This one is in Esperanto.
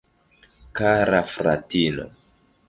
Kara fratino!